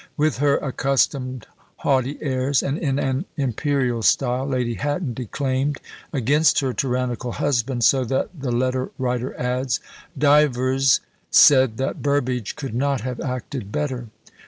With her accustomed haughty airs, and in an imperial style, Lady Hatton declaimed against her tyrannical husband, so that the letter writer adds, "divers said that Burbage could not have acted better."